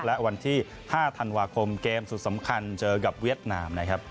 และวันที่๕ธันวาคมเกมสุดสำคัญเจอกับเวียดนามนะครับ